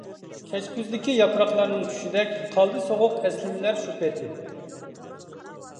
كەچكۈزدىكى ياپراقلارنىڭ چۈشىدەك، قالدى سوغۇق ئەسلىمىلەر شۇ پېتى.